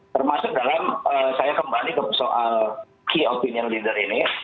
termasuk dalam saya kembali ke soal key opinion leader ini